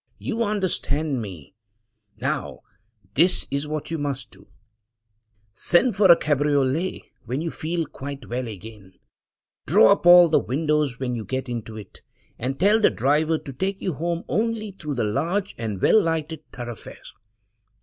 you understand me! Now, this is what you must do — send for a cabriolet when you feel quite well again — draw up all the windows when you get into it — and tell the driver to take you home only through the large and well lighted thoroughfares.